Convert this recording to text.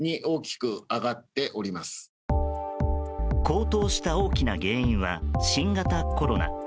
高騰した大きな原因は新型コロナ。